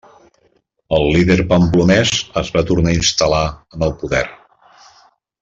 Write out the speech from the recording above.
El líder pamplonès es va tornar a instal·lar en el poder.